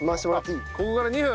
ここから２分。